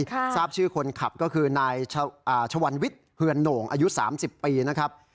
ทราบชื่อคนขับก็คือนายชวันวิทย์เฮือนโหน่งอายุ๓๐ปีนะครับ